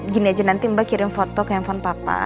gini aja nanti mbak kirim foto ke handphone papa